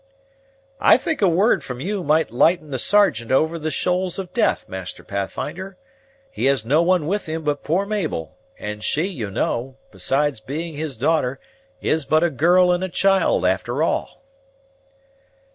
"I think a word from you might lighten the Sergeant over the shoals of death, Master Pathfinder. He has no one with him but poor Mabel; and she, you know, besides being his daughter, is but a girl and a child after all."